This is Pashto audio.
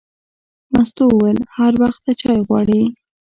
مستو وویل: هر وخت ته چای غواړې.